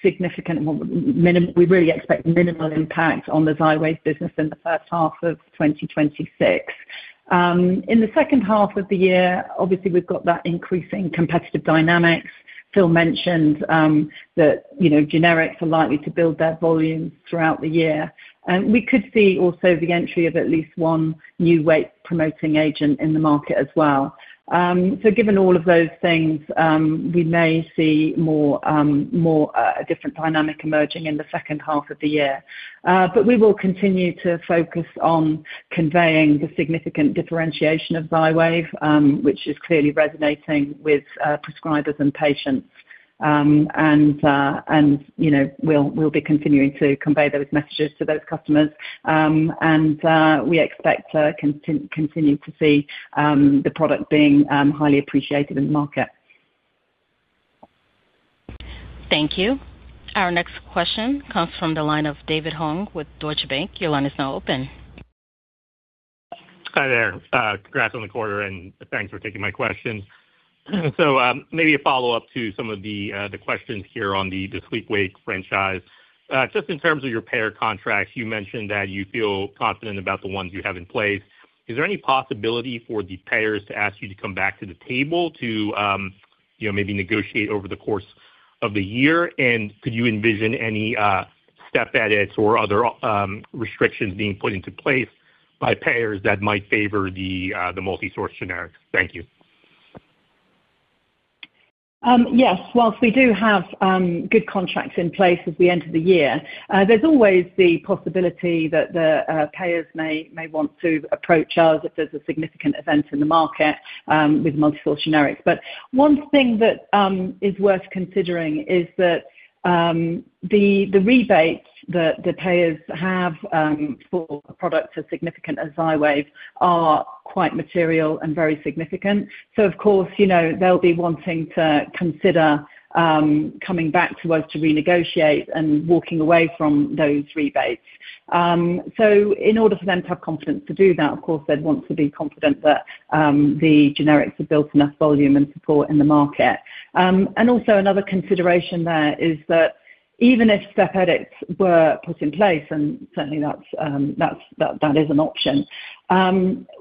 significant, we really expect minimal impact on the XYWAV business in the first half of 2026. In the second half of the year, obviously, we've got that increasing competitive dynamics. Phil mentioned that, you know, generics are likely to build their volumes throughout the year. We could see also the entry of at least one new wake-promoting agent in the market as well. Given all of those things, we may see more, more a different dynamic emerging in the second half of the year. We will continue to focus on conveying the significant differentiation of XYWAV, which is clearly resonating with prescribers and patients. You know, we'll be continuing to convey those messages to those customers. We expect to continue to see the product being highly appreciated in the market. Thank you. Our next question comes from the line of David Hong with Deutsche Bank. Your line is now open. Hi there, congrats on the quarter, thanks for taking my questions. Maybe a follow-up to some of the questions here on the Sleep-wake franchise. Just in terms of your payer contracts, you mentioned that you feel confident about the ones you have in place. Is there any possibility for the payers to ask you to come back to the table to, you know, maybe negotiate over the course of the year? Could you envision any step edits or other restrictions being put into place by payers that might favor the multi-source generics? Thank you. Yes. Whilst we do have good contracts in place as we enter the year, there's always the possibility that the payers may want to approach us if there's a significant event in the market with multi-source generics. One thing that is worth considering is that the rebates that the payers have for products as significant as XYWAV are quite material and very significant. Of course, you know, they'll be wanting to consider coming back to us to renegotiate and walking away from those rebates. In order for them to have confidence to do that, of course, they'd want to be confident that the generics have built enough volume and support in the market. Also another consideration there is that even if step edits were put in place, and certainly that's that is an option.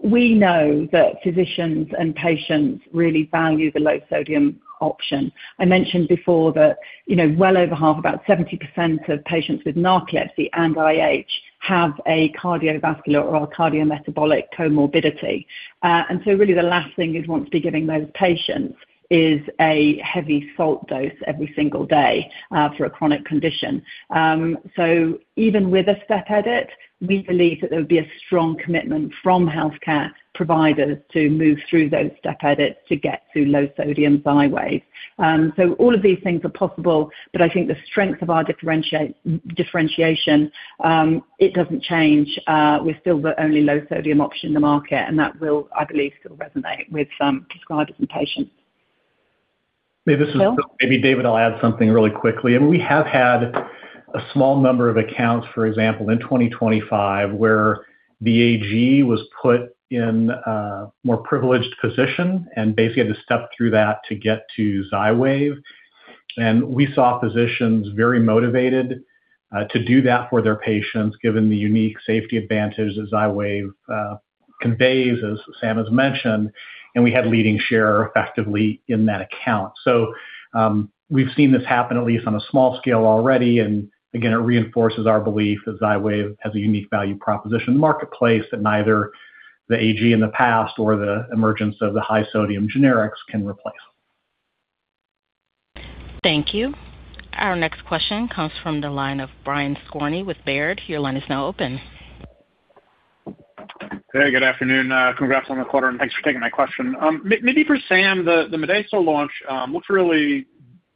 We know that physicians and patients really value the low sodium option. I mentioned before that, you know, well over half, about 70% of patients with narcolepsy and IH have a cardiovascular or a cardiometabolic comorbidity. Really the last thing you'd want to be giving those patients is a heavy salt dose every single day for a chronic condition. Even with a step edit, we believe that there would be a strong commitment from healthcare providers to move through those step edits to get to low sodium XYWAV. All of these things are possible, but I think the strength of our differentiation, it doesn't change. We're still the only low sodium option in the market, and that will, I believe, still resonate with prescribers and patients. Hey, this is Phil. Phil? Maybe, David, I'll add something really quickly. I mean, we have had a small number of accounts, for example, in 2025, where the AG was put in a more privileged position and basically had to step through that to get to XYWAV. We saw physicians very motivated to do that for their patients, given the unique safety advantage that XYWAV conveys, as Sam has mentioned, and we had leading share effectively in that account. We've seen this happen at least on a small scale already, and again, it reinforces our belief that XYWAV has a unique value proposition in the marketplace that neither the AG in the past or the emergence of the high sodium generics can replace. Thank you. Our next question comes from the line of Brian Skorney with Baird. Your line is now open. Hey, good afternoon. Congrats on the quarter, and thanks for taking my question. Maybe for Sam, the Idacio launch looks really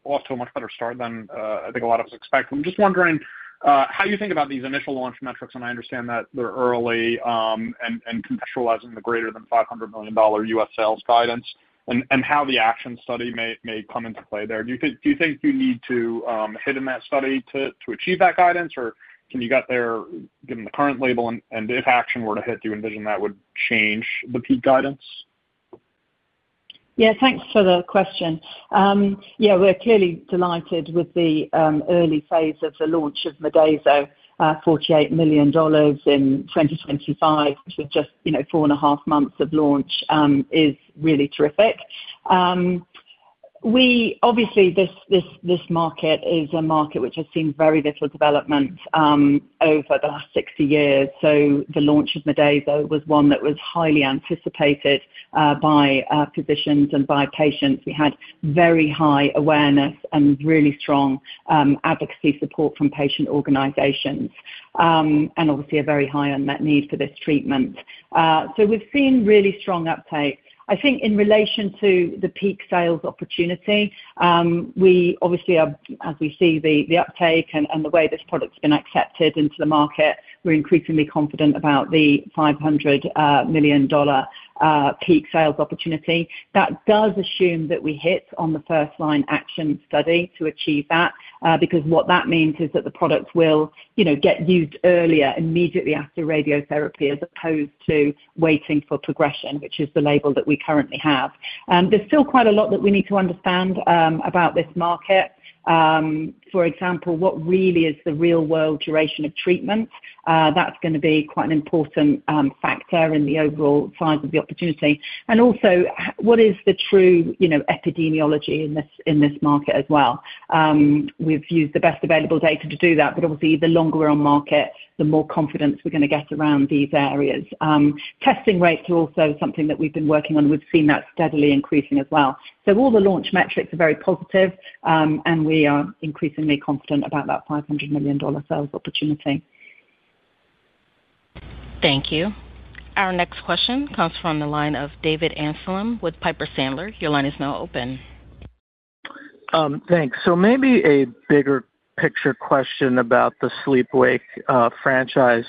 off to a much better start than I think a lot of us expect. I'm just wondering how you think about these initial launch metrics, and I understand that they're early, and contextualizing the greater than $500 million U.S. sales guidance, and how the ACTION study may come into play there. Do you think you need to hit in that study to achieve that guidance? Or can you get there given the current label, and if ACTION were to hit, do you envision that would change the peak guidance? Yeah, thanks for the question. Yeah, we're clearly delighted with the early phase of the launch of Idacio. $48 million in 2025, which is just, you know, four and a half months of launch, is really terrific. We obviously, this market is a market which has seen very little development over the last 60 years. The launch of Idacio was one that was highly anticipated by physicians and by patients. We had very high awareness and really strong advocacy support from patient organizations, and obviously a very high unmet need for this treatment. We've seen really strong uptake. I think in relation to the peak sales opportunity, we obviously as we see the uptake and the way this product's been accepted into the market, we're increasingly confident about the $500 million peak sales opportunity. That does assume that we hit on the first line action study to achieve that, because what that means is that the product will, you know, get used earlier, immediately after radiotherapy, as opposed to waiting for progression, which is the label that we currently have. There's still quite a lot that we need to understand about this market. For example, what really is the real-world duration of treatment? That's going to be quite an important factor in the overall size of the opportunity. What is the true, you know, epidemiology in this, in this market as well? We've used the best available data to do that, but obviously, the longer we're on market, the more confidence we're going to get around these areas. Testing rates are also something that we've been working on. We've seen that steadily increasing as well. All the launch metrics are very positive, and we are increasingly confident about that $500 million sales opportunity. Thank you. Our next question comes from the line of David Amsellem with Piper Sandler. Your line is now open. Thanks. Maybe a bigger picture question about the sleep-wake franchise.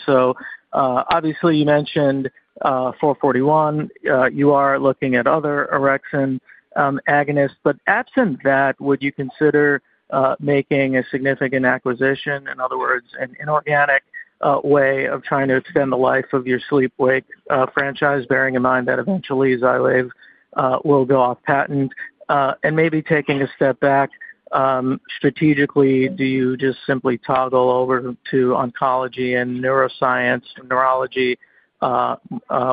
Obviously, you mentioned JZP441. You are looking at other orexin agonists, but absent that, would you consider making a significant acquisition, in other words, an inorganic way of trying to extend the life of your sleep-wake franchise, bearing in mind that eventually XYWAV will go off patent? And maybe taking a step back, strategically, do you just simply toggle over to oncology and neuroscience and neurology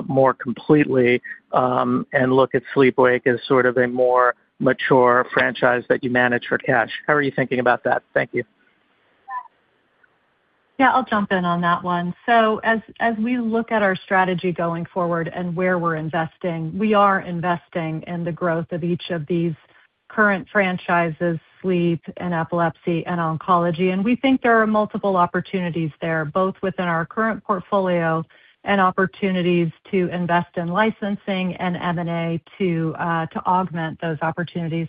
more completely, and look at sleep-wake as sort of a more mature franchise that you manage for cash? How are you thinking about that? Thank you. Yeah, I'll jump in on that one. As we look at our strategy going forward and where we're investing, we are investing in the growth of each of these current franchises, sleep and epilepsy and oncology. We think there are multiple opportunities there, both within our current portfolio and opportunities to invest in licensing and M&A to augment those opportunities.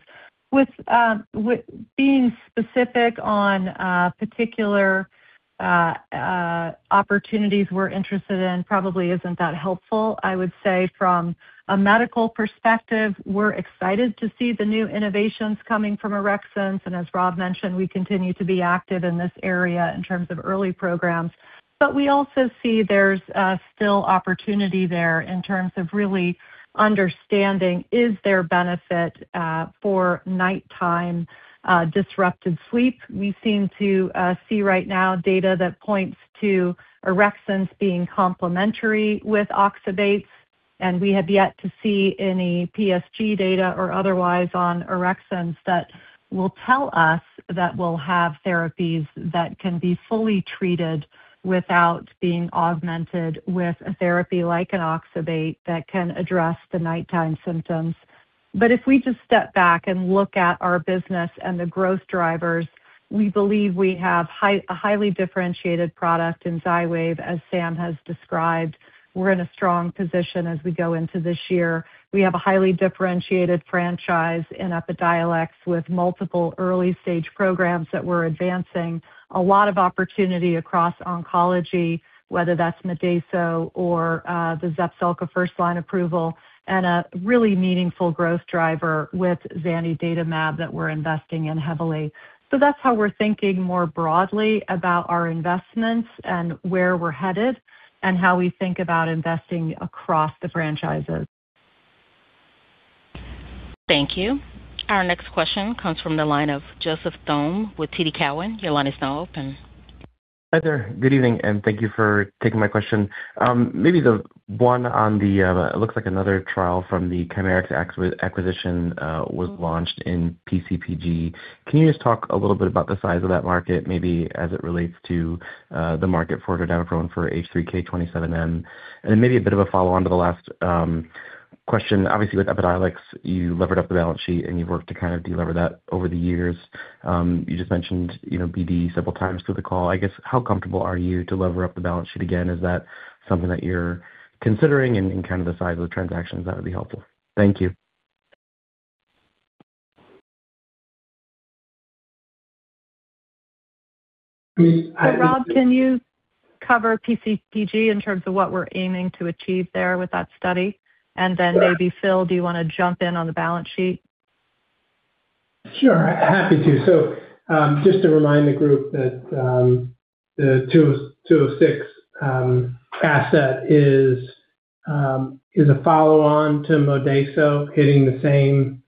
With being specific on particular opportunities we're interested in probably isn't that helpful. I would say from a medical perspective, we're excited to see the new innovations coming from orexins, and as Rob mentioned, we continue to be active in this area in terms of early programs. We also see there's still opportunity there in terms of really understanding is there benefit for nighttime disrupted sleep. We seem to see right now data that points to orexins being complementary with oxybates, we have yet to see any PSG data or otherwise on Orexance that will tell us that we'll have therapies that can be fully treated without being augmented with a therapy like an oxybate that can address the nighttime symptoms. If we just step back and look at our business and the growth drivers, we believe we have a highly differentiated product in XYWAV, as Sam has described. We're in a strong position as we go into this year. We have a highly differentiated franchise in Epidiolex, with multiple early-stage programs that we're advancing, a lot of opportunity across oncology, whether that's Modeyso or the Zepzelca first-line approval, and a really meaningful growth driver with zanidatamab that we're investing in heavily. That's how we're thinking more broadly about our investments and where we're headed and how we think about investing across the franchises. Thank you. Our next question comes from the line of Joseph Thome with TD Cowen. Your line is now open. Hi there. Good evening, and thank you for taking my question. Maybe the one on the, it looks like another trial from the Chimerix acquisition, was launched in PCPG. Can you just talk a little bit about the size of that market, maybe as it relates to, the market for dordaviprone for H3K27M? Maybe a bit of a follow-on to the last question. Obviously, with Epidiolex, you levered up the balance sheet, and you've worked to kind of delever that over the years. You just mentioned, you know, BD several times through the call. I guess, how comfortable are you to lever up the balance sheet again? Is that something that you're considering and kind of the size of the transactions, that would be helpful. Thank you. Rob, can you cover PCPG in terms of what we're aiming to achieve there with that study? Then maybe, Phil, do you want to jump in on the balance sheet? Sure, happy to. Just to remind the group that the two of six asset is a follow-on to Modeyso, hitting the same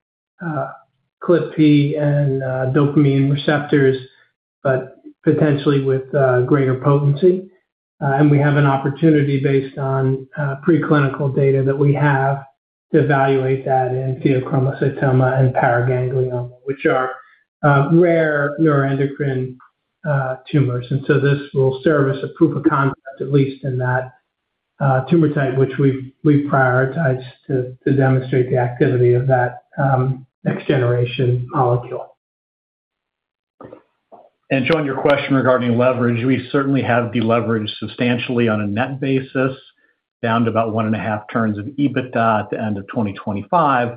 ClpP and dopamine receptors, but potentially with greater potency. We have an opportunity based on preclinical data that we have to evaluate that in pheochromocytoma and paraganglioma, which are rare neuroendocrine tumors. This will serve as a proof of concept, at least in that tumor type, which we've prioritized to demonstrate the activity of that next-generation molecule. John, your question regarding leverage. We certainly have deleveraged substantially on a net basis, down to about one and a half turns of EBITDA at the end of 2025.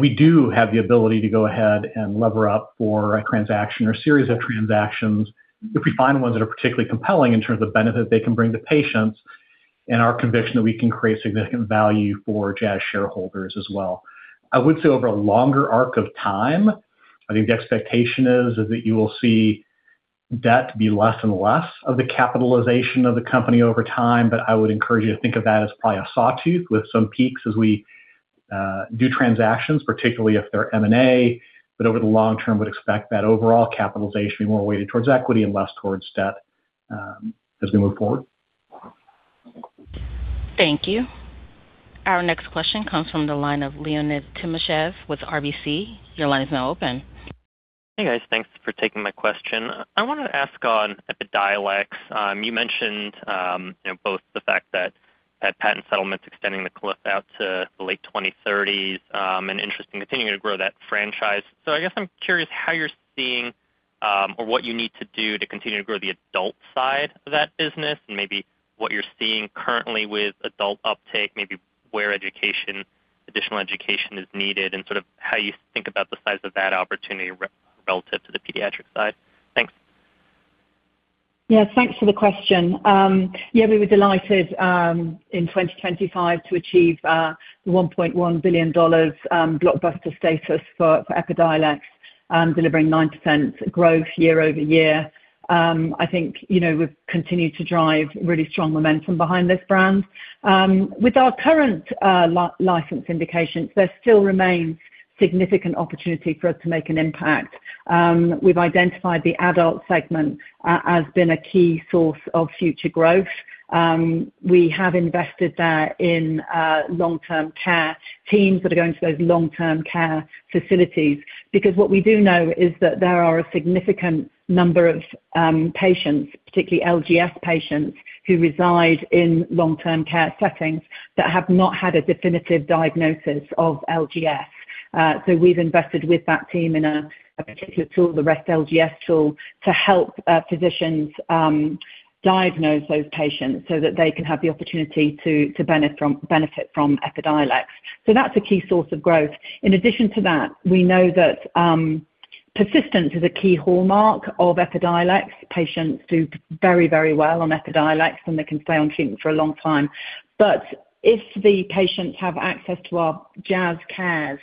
We do have the ability to go ahead and lever up for a transaction or series of transactions if we find ones that are particularly compelling in terms of benefit they can bring to patients and our conviction that we can create significant value for Jazz shareholders as well. I would say over a longer arc of time, I think the expectation is that you will see.... debt to be less and less of the capitalization of the company over time. I would encourage you to think of that as probably a sawtooth with some peaks as we do transactions, particularly if they're M&A, but over the long term, would expect that overall capitalization be more weighted towards equity and less towards debt, as we move forward. Thank you. Our next question comes from the line of Leonid Timashev with RBC. Your line is now open. Hey, guys. Thanks for taking my question. I wanted to ask on Epidiolex. You mentioned, you know, both the fact that patent settlements extending the cliff out to the late 2030s, and interesting continuing to grow that franchise. I guess I'm curious how you're seeing, or what you need to do to continue to grow the adult side of that business and maybe what you're seeing currently with adult uptake, maybe where education, additional education is needed, and sort of how you think about the size of that opportunity relative to the pediatric side? Thanks. Yeah, thanks for the question. Yeah, we were delighted in 2025 to achieve $1.1 billion blockbuster status for Epidiolex, delivering 9% growth year-over-year. I think, you know, we've continued to drive really strong momentum behind this brand. With our current license indications, there still remains significant opportunity for us to make an impact. We've identified the adult segment as being a key source of future growth. We have invested there in long-term care teams that are going to those long-term care facilities, because what we do know is that there are a significant number of patients, particularly LGS patients, who reside in long-term care settings that have not had a definitive diagnosis of LGS. we've invested with that team in a particular tool, the REST-LGS tool, to help physicians diagnose those patients so that they can have the opportunity to benefit from Epidiolex. That's a key source of growth. In addition to that, we know that persistence is a key hallmark of Epidiolex. Patients do very, very well on Epidiolex, and they can stay on treatment for a long time. If the patients have access to our JazzCares,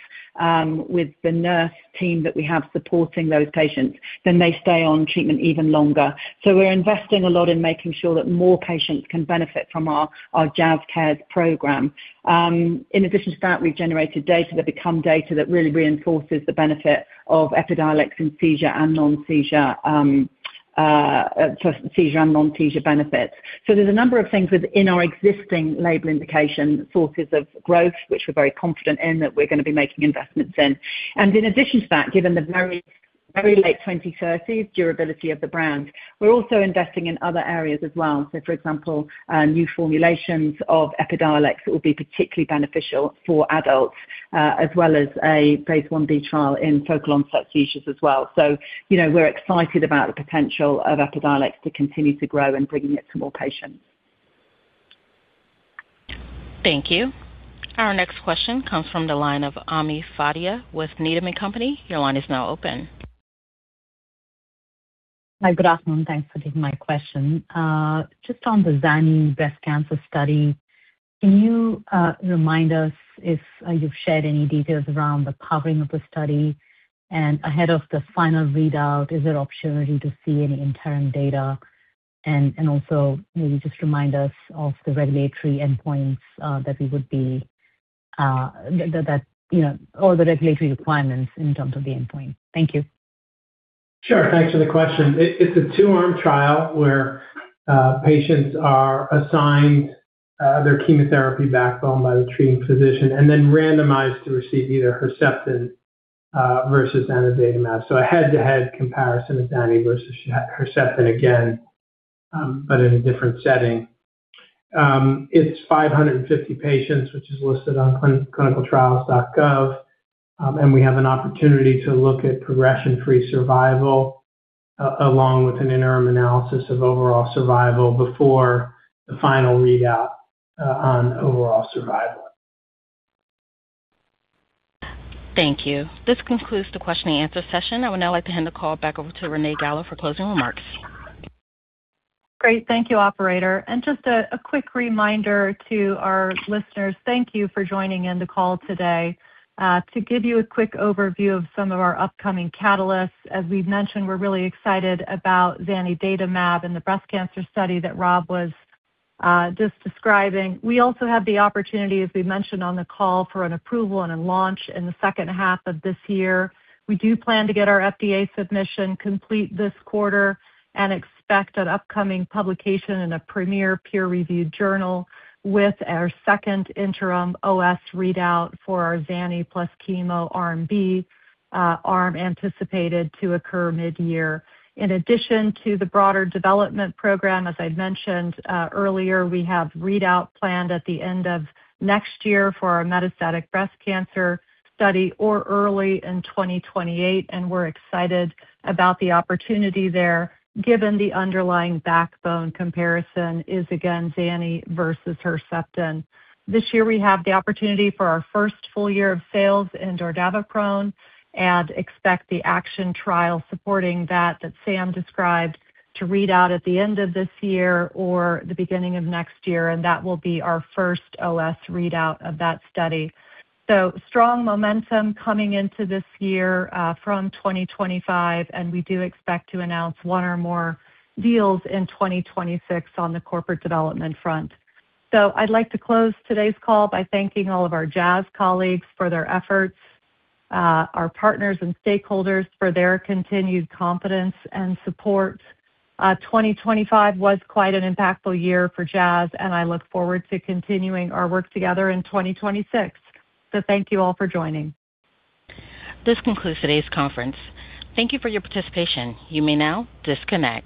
with the nurse team that we have supporting those patients, then they stay on treatment even longer. We're investing a lot in making sure that more patients can benefit from our JazzCares program. In addition to that, we've generated data that really reinforces the benefit of Epidiolex in seizure and non-seizure benefits. There's a number of things within our existing label indication, sources of growth, which we're very confident in, that we're going to be making investments in. In addition to that, given the very, very late 2030s durability of the brand, we're also investing in other areas as well. For example, new formulations of Epidiolex that will be particularly beneficial for adults, as well as a Phase I-b trial in focal onset seizures as well. You know, we're excited about the potential of Epidiolex to continue to grow and bringing it to more patients. Thank you. Our next question comes from the line of Ami Fadia with Needham & Company. Your line is now open. Hi, good afternoon. Thanks for taking my question. Just on the Zani breast cancer study, can you remind us if you've shared any details around the powering of the study? Ahead of the final readout, is there opportunity to see any interim data? Also, maybe just remind us of the regulatory endpoints that we would be that, you know, or the regulatory requirements in terms of the endpoint. Thank you. Sure. Thanks for the question. It's a two-arm trial where patients are assigned their chemotherapy backbone by the treating physician and then randomized to receive either Herceptin versus zanidatamab. A head-to-head comparison of Zani versus Herceptin again, but in a different setting. It's 550 patients, which is listed on ClinicalTrials.gov, and we have an opportunity to look at progression-free survival along with an interim analysis of overall survival before the final readout on overall survival. Thank you. This concludes the question and answer session. I would now like to hand the call back over to Renée Galá for closing remarks. Great. Thank you, operator. Just a quick reminder to our listeners, thank you for joining in the call today. To give you a quick overview of some of our upcoming catalysts, as we've mentioned, we're really excited about zanidatamab and the breast cancer study that Rob was just describing. We also have the opportunity, as we mentioned on the call, for an approval and a launch in the second half of this year. We do plan to get our FDA submission complete this quarter and expect an upcoming publication in a premier peer-reviewed journal with our second interim OS readout for our Zani plus chemo RNB arm, anticipated to occur mid-year. In addition to the broader development program, as I'd mentioned, earlier, we have readout planned at the end of next year for our metastatic breast cancer study or early in 2028, and we're excited about the opportunity there, given the underlying backbone comparison is again Zani versus Herceptin. This year, we have the opportunity for our first full year of sales in dordaviprone and expect the ACTION trial supporting that Sam described, to read out at the end of this year or the beginning of next year, and that will be our first OS readout of that study. Strong momentum coming into this year, from 2025, and we do expect to announce one or more deals in 2026 on the corporate development front. I'd like to close today's call by thanking all of our Jazz colleagues for their efforts, our partners and stakeholders for their continued confidence and support. 2025 was quite an impactful year for Jazz, and I look forward to continuing our work together in 2026. Thank you all for joining. This concludes today's conference. Thank you for your participation. You may now disconnect.